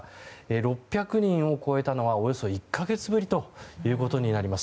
６００人を超えたのはおよそ１か月ぶりとなります。